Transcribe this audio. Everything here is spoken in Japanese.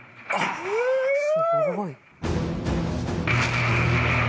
すごい。